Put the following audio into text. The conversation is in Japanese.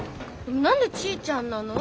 何で「チィちゃん」なの？